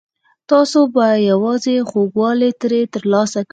تاسو به یوازې خوږوالی ترې ترلاسه کړئ.